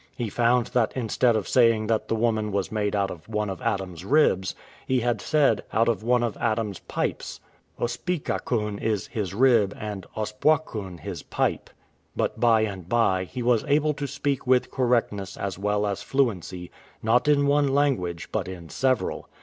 *" He found that instead of saying that the woman was made " out of one of Adam's ribs," he had said "out of one of Adam's pipes."" Ospikakun is "his rib," and ospxvakun " his pipe.*" But by and by he was able to speak with correctness as well as fluency, not in one language, but in several.